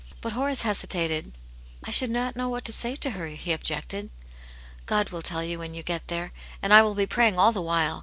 But Horace hesitated. " I should not know what to say to her,'* he ob jected. " God will tell you when you get there. And I will be praying all the while.